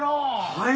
はい！